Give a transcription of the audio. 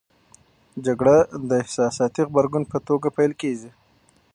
جګړه د احساساتي غبرګون په توګه پیل کېږي.